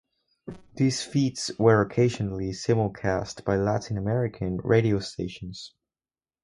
These feeds were occasionally simulcast by Latin American radio stations.